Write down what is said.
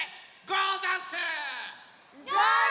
ござんす！